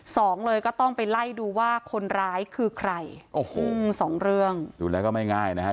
สองเลยก็ต้องไปไล่ดูว่าคนร้ายคือใครโอ้โหสองเรื่องดูแล้วก็ไม่ง่ายนะครับ